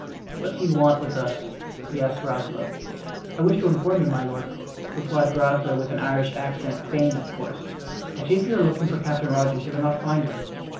"What do you want with us?" he asked of Groslow. "I wish to inform you, my lord," replied Groslow, with an Irish accent, feigned of course, "that if you are looking for Captain Rogers you will not find him.